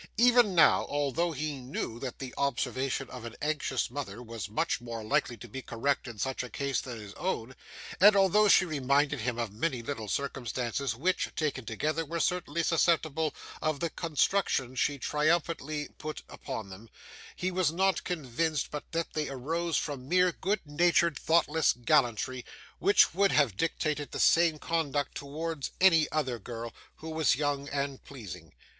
Even now, although he knew that the observation of an anxious mother was much more likely to be correct in such a case than his own, and although she reminded him of many little circumstances which, taken together, were certainly susceptible of the construction she triumphantly put upon them, he was not quite convinced but that they arose from mere good natured thoughtless gallantry, which would have dictated the same conduct towards any other girl who was young and pleasing.